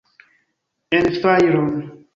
En fajron!